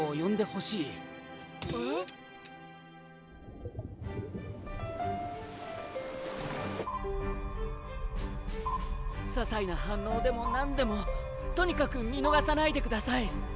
ささいな反応でも何でもとにかく見逃さないでください！